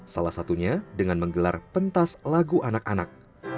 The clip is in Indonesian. salah satunya dengan menggelar pentas lagu anak anak